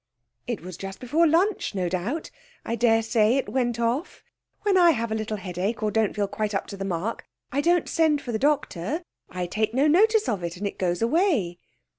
'It was just before lunch, no doubt. I daresay it went off. When I have little headache or don't feel quite up to the mark, I don't send for the doctor; I take no notice of it, and it goes away.'